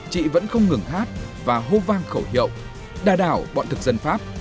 chị vẫn không ngừng hát và hô vang khẩu hiệu đà đảo bọn thực dân pháp